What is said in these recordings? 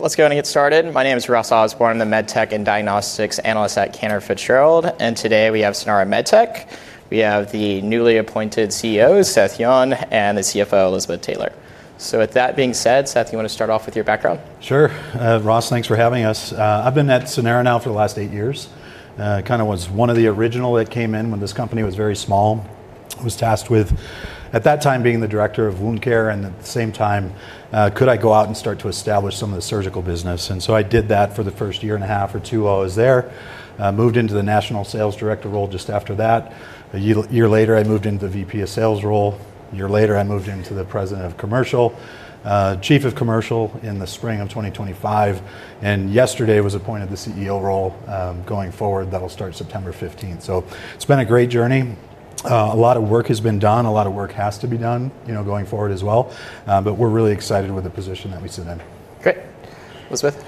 ... Let's go ahead and get started. My name is Ross Osborne, the med tech and diagnostics analyst at Cantor Fitzgerald, and today we have Sanara MedTech. We have the newly appointed CEO, Seth Yon, and the CFO, Elizabeth Taylor. So with that being said, Seth, you wanna start off with your background? Sure. Ross, thanks for having us. I've been at Sanara now for the last eight years. Kind of was one of the original that came in when this company was very small. Was tasked with, at that time, being the director of wound care, and at the same time, could I go out and start to establish some of the surgical business? And so I did that for the first year and a half or two while I was there. Moved into the national sales director role just after that. A year later, I moved into the VP of sales role. A year later, I moved into the President of Commercial, Chief of Commercial role in the spring of 2025, and yesterday was appointed the CEO role. Going forward, that'll start September 15. So it's been a great journey. A lot of work has been done. A lot of work has to be done, you know, going forward as well. But we're really excited with the position that we sit in. Great. Elizabeth?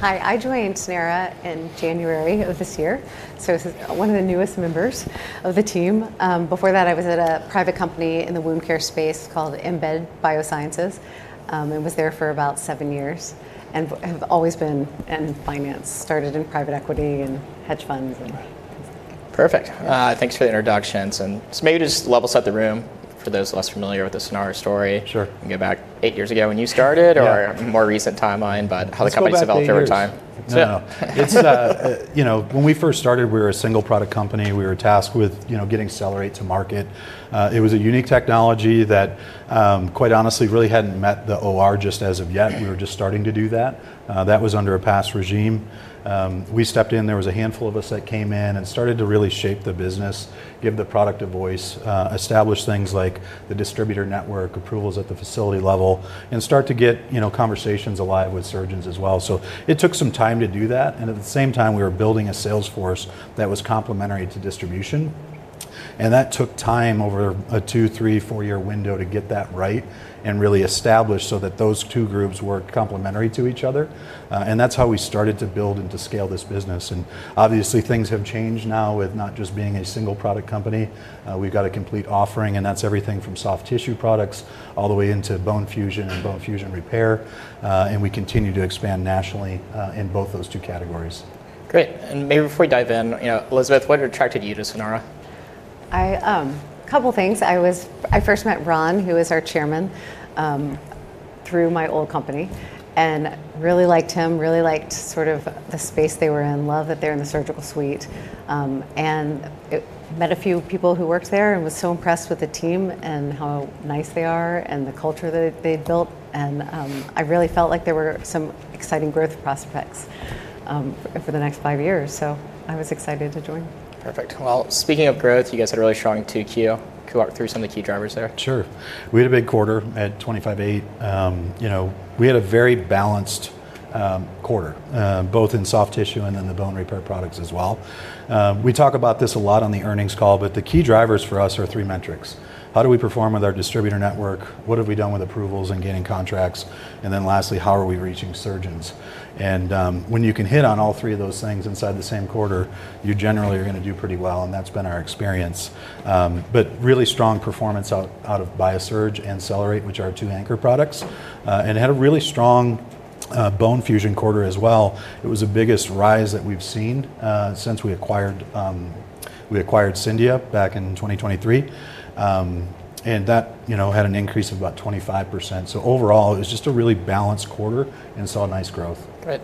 Hi. I joined Sanara in January of this year, so this is one of the newest members of the team. Before that, I was at a private company in the wound care space called Imbed Biosciences, and was there for about seven years, and have always been in finance. Started in private equity and hedge funds, and- Perfect. Yeah. Thanks for the introductions, and so maybe just level set the room for those less familiar with the Sanara story. Sure... and go back eight years ago when you started - Yeah... or a more recent timeline, but how the company- Let's go back eight years.... developed over time. No. It's. You know, when we first started, we were a single product company. We were tasked with, you know, getting Cellerate to market. It was a unique technology that, quite honestly, really hadn't met the OR just as of yet. We were just starting to do that. That was under a past regime. We stepped in. There was a handful of us that came in and started to really shape the business, give the product a voice, establish things like the distributor network, approvals at the facility level, and start to get, you know, conversations alive with surgeons as well. So it took some time to do that, and at the same time, we were building a sales force that was complementary to distribution, and that took time, over a two, three, four-year window, to get that right and really established so that those two groups were complementary to each other. And that's how we started to build and to scale this business, and obviously, things have changed now with not just being a single product company. We've got a complete offering, and that's everything from soft tissue products all the way into bone fusion and bone fusion repair, and we continue to expand nationally, in both those two categories. Great, and maybe before we dive in, you know, Elizabeth, what attracted you to Sanara? A couple things. I first met Ron, who is our chairman, through my old company and really liked him, really liked sort of the space they were in, love that they're in the surgical suite, met a few people who worked there and was so impressed with the team and how nice they are and the culture that they'd built, and I really felt like there were some exciting growth prospects for the next five years, so I was excited to join. Perfect. Well, speaking of growth, you guys had a really strong 2Q. Can you walk through some of the key drivers there? Sure. We had a big quarter at 25.8. You know, we had a very balanced quarter, both in soft tissue and in the bone repair products as well. We talk about this a lot on the earnings call, but the key drivers for us are three metrics: How do we perform with our distributor network? What have we done with approvals and gaining contracts? And then lastly, how are we reaching surgeons? When you can hit on all three of those things inside the same quarter, you generally are gonna do pretty well, and that's been our experience. But really strong performance out of BIOKOS and Cellerate, which are our two anchor products, and had a really strong bone fusion quarter as well. It was the biggest rise that we've seen since we acquired Scendia back in 2023, and that, you know, had an increase of about 25%, so overall, it was just a really balanced quarter and saw nice growth. Great,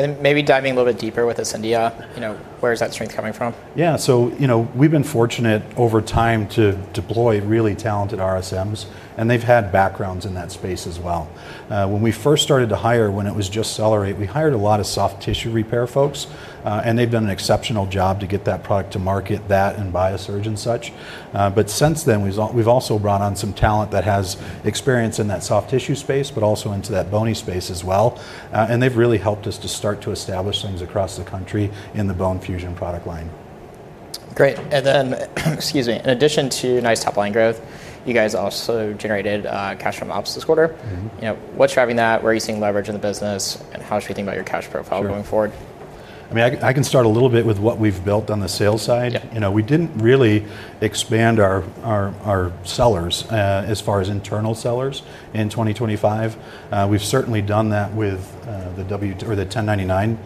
and maybe diving a little bit deeper with the Scendia, you know, where is that strength coming from? Yeah so, you know, we've been fortunate over time to deploy really talented RSMs, and they've had backgrounds in that space as well. When we first started to hire, when it was just Cellerate, we hired a lot of soft tissue repair folks, and they've done an exceptional job to get that product to market, that and BioSurg and such. But since then, we've also brought on some talent that has experience in that soft tissue space but also into that bony space as well, and they've really helped us to start to establish things across the country in the bone fusion product line. Great, and then, excuse me, in addition to nice top line growth, you guys also generated cash from ops this quarter. Mm-hmm. You know, what's driving that? Where are you seeing leverage in the business, and how should we think about your cash profile? Sure... going forward? I mean, I can start a little bit with what we've built on the sales side. Yeah. You know, we didn't really expand our sellers as far as internal sellers in 2025. We've certainly done that with the W-2 or the 1099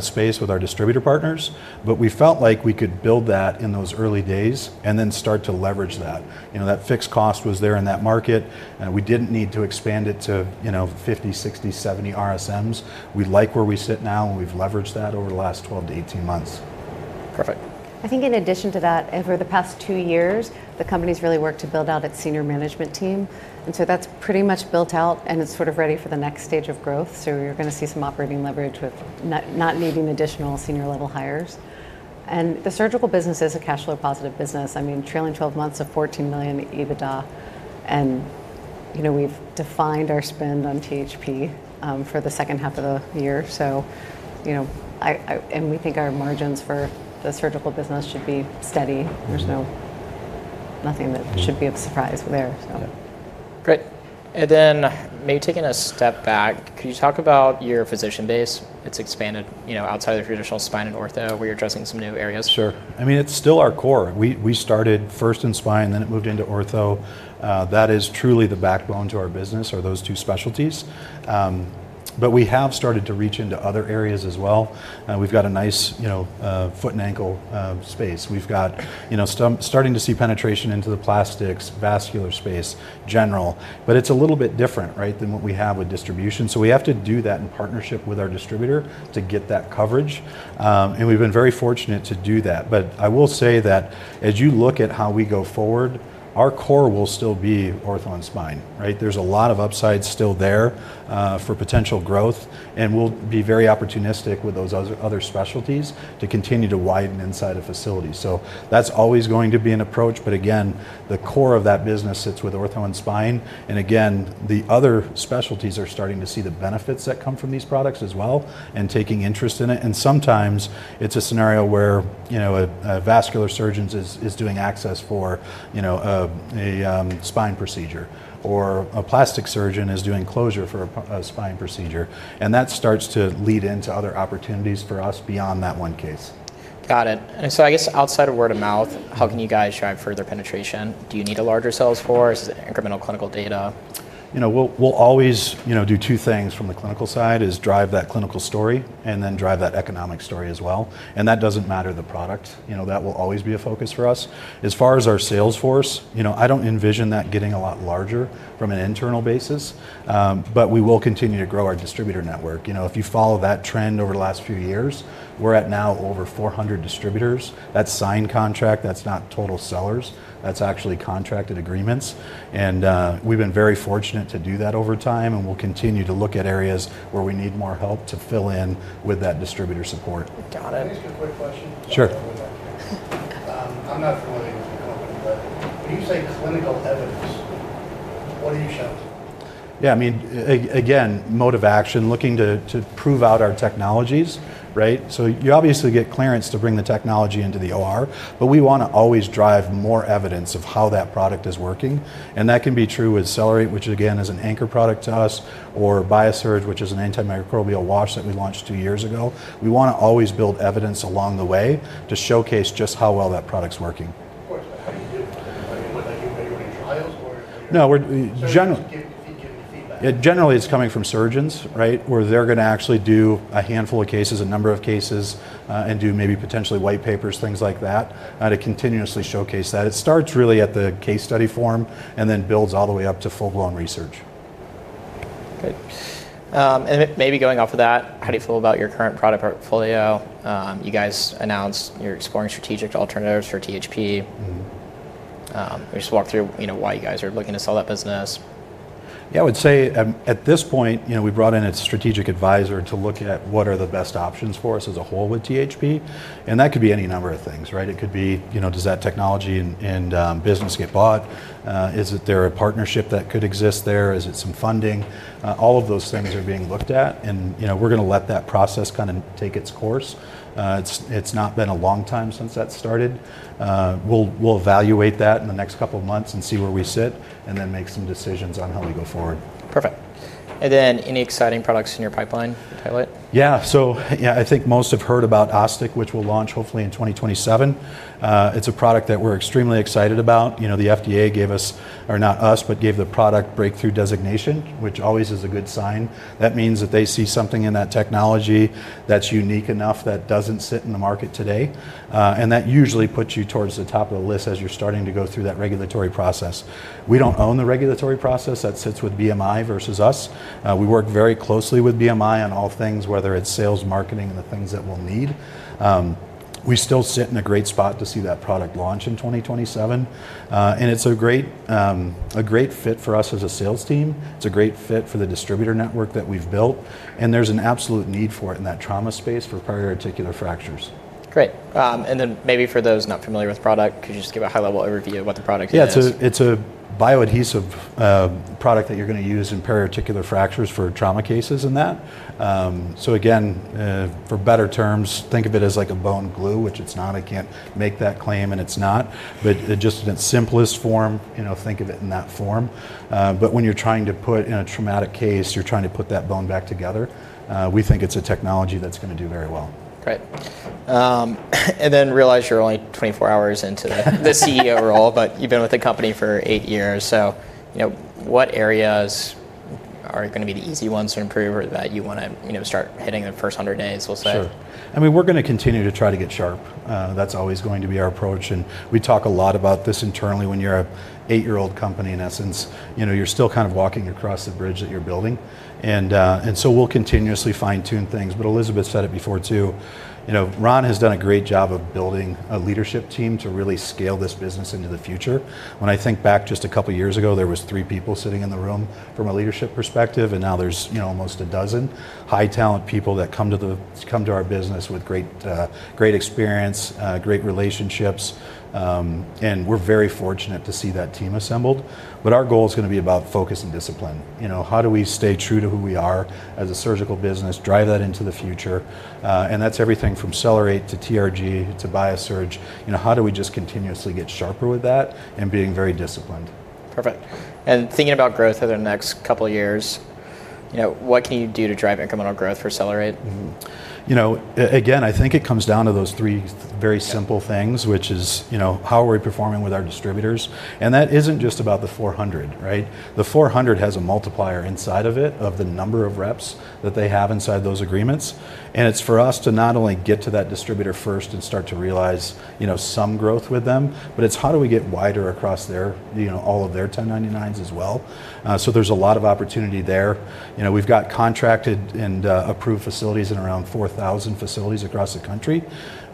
space with our distributor partners, but we felt like we could build that in those early days and then start to leverage that. You know, that fixed cost was there in that market, and we didn't need to expand it to, you know, 50, 60, 70 RSMs. We like where we sit now, and we've leveraged that over the last 12 to 18 months. Perfect. I think in addition to that, over the past two years, the company's really worked to build out its senior management team, and so that's pretty much built out, and it's sort of ready for the next stage of growth. You're gonna see some operating leverage with not needing additional senior level hires. The surgical business is a cash flow positive business. I mean, trailing 12 months of $14 million EBITDA, and, you know, we've defined our spend on THP for the second half of the year. You know, I... We think our margins for the surgical business should be steady. There's nothing that should be a surprise there, so. Yeah. Great. And then maybe taking a step back, could you talk about your physician base? It's expanded, you know, outside of your traditional spine and ortho, where you're addressing some new areas. Sure. I mean, it's still our core. We started first in spine, then it moved into ortho. That is truly the backbone to our business, are those two specialties. But we have started to reach into other areas as well. We've got a nice, you know, foot and ankle space. We've got, you know, starting to see penetration into the plastics, vascular space, general. But it's a little bit different, right, than what we have with distribution, so we have to do that in partnership with our distributor to get that coverage. And we've been very fortunate to do that. But I will say that as you look at how we go forward, our core will still be ortho and spine, right? There's a lot of upside still there for potential growth, and we'll be very opportunistic with those other specialties to continue to widen inside a facility. So that's always going to be an approach, but again, the core of that business sits with ortho and spine. And again, the other specialties are starting to see the benefits that come from these products as well and taking interest in it. And sometimes it's a scenario where, you know, a vascular surgeon is doing access for, you know, a spine procedure, or a plastic surgeon is doing closure for a spine procedure, and that starts to lead into other opportunities for us beyond that one case. Got it. And so I guess outside of word of mouth, how can you guys drive further penetration? Do you need a larger sales force? Is it incremental clinical data? You know, we'll always, you know, do two things from the clinical side, is drive that clinical story and then drive that economic story as well, and that doesn't matter the product. You know, that will always be a focus for us. As far as our sales force, you know, I don't envision that getting a lot larger from an internal basis. But we will continue to grow our distributor network. You know, if you follow that trend over the last few years, we're at now over 400 distributors. That's signed contract, that's not total sellers. That's actually contracted agreements, and we've been very fortunate to do that over time, and we'll continue to look at areas where we need more help to fill in with that distributor support. Got it. Can I ask you a quick question? Sure. I'm not familiar with your company, but when you say clinical evidence, what are you showing? Yeah, I mean, again, mode of action, looking to prove out our technologies, right? So you obviously get clearance to bring the technology into the OR, but we wanna always drive more evidence of how that product is working, and that can be true with Cellerate, which again, is an anchor product to us, or BIAKOS, which is an antimicrobial wash that we launched two years ago. We wanna always build evidence along the way to showcase just how well that product's working. Of course, but how do you do it? I mean, what, like, you put it in trials or are you- No, we're generally- Surgeons give you the feedback. It generally is coming from surgeons, right? Where they're gonna actually do a handful of cases, a number of cases, and do maybe potentially white papers, things like that, to continuously showcase that. It starts really at the case study form and then builds all the way up to full-blown research. Good. Maybe going off of that, how do you feel about your current product portfolio? You guys announced you're exploring strategic alternatives for THP. Mm-hmm. Can you just walk through, you know, why you guys are looking to sell that business? Yeah, I would say at this point, you know, we brought in a strategic advisor to look at what are the best options for us as a whole with THP, and that could be any number of things, right? It could be, you know, does that technology and business get bought? Is there a partnership that could exist there? Is it some funding? All of those things are being looked at, and, you know, we're gonna let that process kind of take its course. It's not been a long time since that started. We'll evaluate that in the next couple of months and see where we sit, and then make some decisions on how we go forward. Perfect. And then any exciting products in your pipeline you can highlight? Yeah. So yeah, I think most have heard about OsStic, which we'll launch hopefully in 2027. It's a product that we're extremely excited about. You know, the FDA gave us... or not us, but gave the product breakthrough designation, which always is a good sign. That means that they see something in that technology that's unique enough, that doesn't sit in the market today, and that usually puts you towards the top of the list as you're starting to go through that regulatory process. We don't own the regulatory process. That sits with BMI versus us. We work very closely with BMI on all things, whether it's sales, marketing, and the things that we'll need. We still sit in a great spot to see that product launch in 2027. And it's a great fit for us as a sales team, it's a great fit for the distributor network that we've built, and there's an absolute need for it in that trauma space for periarticular fractures. Great, and then maybe for those not familiar with the product, could you just give a high-level overview of what the product is? Yeah, it's a bioadhesive product that you're gonna use in periarticular fractures for trauma cases and that. So again, for better terms, think of it as like a bone glue, which it's not. I can't make that claim, and it's not. But just in its simplest form, you know, think of it in that form. But when you're trying to put in a traumatic case, you're trying to put that bone back together, we think it's a technology that's gonna do very well. Great. And then realize you're only 24 hours into the CEO role, but you've been with the company for eight years. So, you know, what areas are gonna be the easy ones to improve or that you wanna, you know, start hitting in the first 100 days, we'll say? Sure. I mean, we're gonna continue to try to get sharp. That's always going to be our approach, and we talk a lot about this internally. When you're an eight-year-old company, in essence, you know, you're still kind of walking across the bridge that you're building, and so we'll continuously fine-tune things, but Elizabeth said it before too, you know, Ron has done a great job of building a leadership team to really scale this business into the future. When I think back just a couple of years ago, there was three people sitting in the room from a leadership perspective, and now there's, you know, almost a dozen high-talent people that come to our business with great experience, great relationships, and we're very fortunate to see that team assembled, but our goal is gonna be about focus and discipline. You know, how do we stay true to who we are as a surgical business, drive that into the future? and that's everything from Cellerate, to TRG, to BIAKOS. You know, how do we just continuously get sharper with that and being very disciplined?... Perfect. And thinking about growth over the next couple years, you know, what can you do to drive incremental growth for Cellerate? Mm-hmm. You know, again, I think it comes down to those three very simple things- Yeah... which is, you know, how are we performing with our distributors? And that isn't just about the 400, right? The 400 has a multiplier inside of it, of the number of reps that they have inside those agreements, and it's for us to not only get to that distributor first and start to realize, you know, some growth with them, but it's how do we get wider across their, you know, all of their 1099s as well. So there's a lot of opportunity there. You know, we've got contracted and approved facilities in around 4,000 facilities across the country.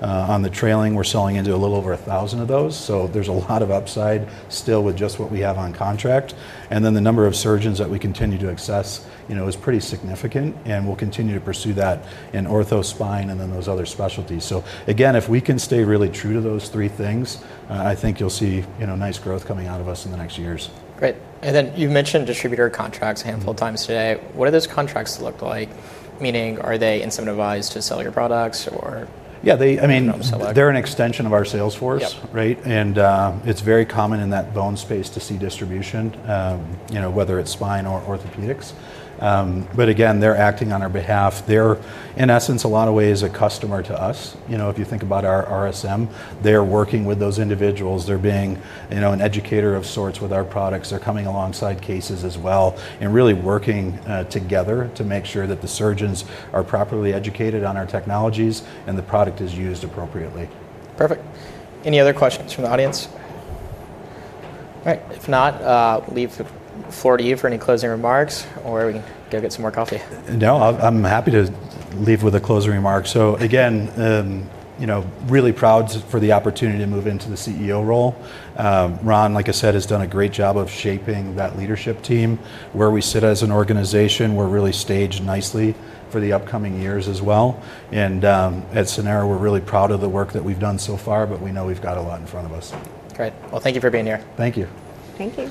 On the trailing, we're selling into a little over 1,000 of those, so there's a lot of upside still with just what we have on contract. And then the number of surgeons that we continue to access, you know, is pretty significant, and we'll continue to pursue that in ortho, spine, and then those other specialties. So again, if we can stay really true to those three things, I think you'll see, you know, nice growth coming out of us in the next years. Great. And then you've mentioned distributor contracts a handful of times today. What do those contracts look like? Meaning, are they incentivized to sell your products, or- Yeah, they, I mean- Or sell other-... they're an extension of our sales force. Yep. Right? And, it's very common in that bone space to see distribution, you know, whether it's spine or orthopedics. But again, they're acting on our behalf. They're, in essence, a lot of ways a customer to us. You know, if you think about our RSM, they're working with those individuals, they're being, you know, an educator of sorts with our products. They're coming alongside cases as well, and really working together to make sure that the surgeons are properly educated on our technologies and the product is used appropriately. Perfect. Any other questions from the audience? All right, if not, I'll leave the floor to you for any closing remarks, or we can go get some more coffee. No, I'll... I'm happy to leave with a closing remark. So again, you know, really proud just for the opportunity to move into the CEO role. Ron, like I said, has done a great job of shaping that leadership team. Where we sit as an organization, we're really staged nicely for the upcoming years as well, and, at Sanara, we're really proud of the work that we've done so far, but we know we've got a lot in front of us. Great. Well, thank you for being here. Thank you. Thank you.